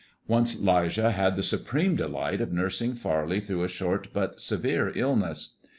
Once 'Lijah had the supreme delight of nursing Farley through a short but severe illness.